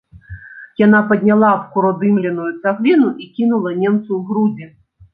Яна падняла абкуродымленую цагліну і кінула немцу ў грудзі.